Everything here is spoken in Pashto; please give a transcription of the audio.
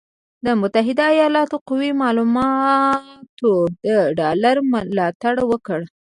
د متحده ایالاتو قوي معلوماتو د ډالر ملاتړ وکړ،